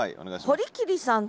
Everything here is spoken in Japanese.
堀切さん。